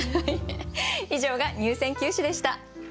以上が入選九首でした。